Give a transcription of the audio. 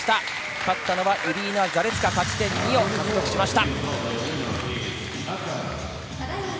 勝ったのはイリーナ・ザレツカ、勝ち点２を獲得しました。